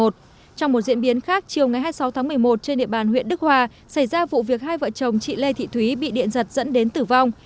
trong một diễn biến khác chiều ngày hai mươi sáu tháng một mươi một trên địa bàn huyện đức hòa xảy ra vụ việc hai vợ chồng chị lê thị thúy bị điện giật dẫn đến tử vong